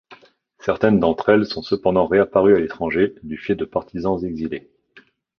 Certaines d'entre elles sont cependant réapparues à l'étranger du fait de partisans exilés.